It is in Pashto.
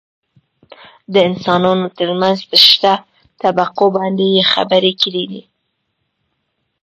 دانسانانو ترمنځ په شته طبقو باندې يې خبرې کړي دي .